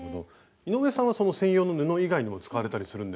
井上さんはその専用の布以外にも使われたりするんですか？